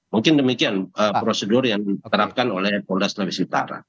mungkin demikian prosedur yang diterapkan oleh polda sulawesi utara